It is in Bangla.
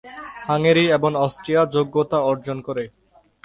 হাঙ্গেরি এবং অস্ট্রিয়া যোগ্যতা অর্জন করে।